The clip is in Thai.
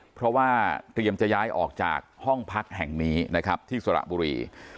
เพราะว่าเตรียมจะย้ายออกจากห้องพักแห่งนี้นะครับที่สระบุรี